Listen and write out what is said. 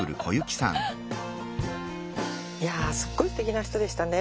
いやすっごいすてきな人でしたね。